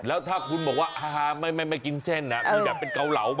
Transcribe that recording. แล้วถ้าคุณบอกว่าฮ่าไม่ไม่กินเส้นอ่ะมีแบบเป็นเกาเหลาไหม